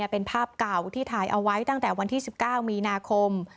เป็นภาพเก่าที่ถ่ายเอาไว้ตั้งแต่วันที่๑๙มีนาคม